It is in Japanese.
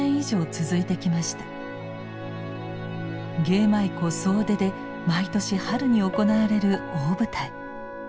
芸舞妓総出で毎年春に行われる大舞台。